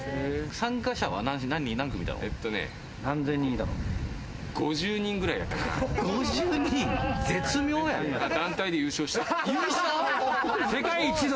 参加者は何千人いたの？